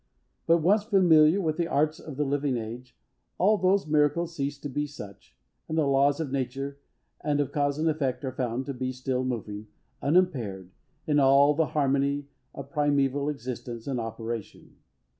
But, once familiar with the arts of the living age, all those miracles cease to be such, and the laws of nature, and of cause and effect, are found to be still moving, unimpaired, in all the harmony of primeval existence and operation.